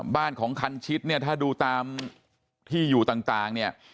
บ้านของคันชิดเนี่ยถ้าดูตามที่อยู่ต่างเนี่ย